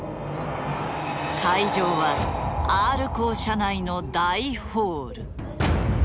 会場はＲコー社内の大ホール。